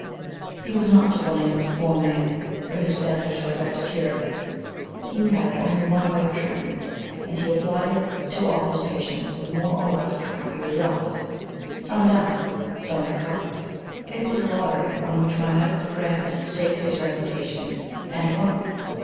He was not to blame, poor man, for his failure to effect a cure. He had only one way of treatment, and he applied it to all his patients with more or less happy results. Some died, some recovered; it was a lottery on which my medical friend staked his reputation, and won.